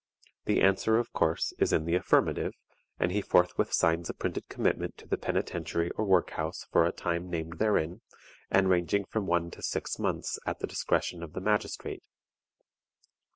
The answer, of course, is in the affirmative, and he forthwith signs a printed commitment to the Penitentiary or Work house for a time named therein, and ranging from one to six months at the discretion of the magistrate.